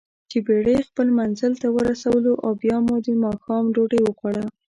چې بېړۍ خپل منزل ته ورسولواو بیا مو دماښام ډوډۍ وخوړه.